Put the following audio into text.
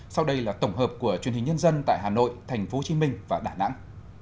sau đây là tổng hợp của truyền hình nhân dân tại hà nội tp hcm và đà nẵng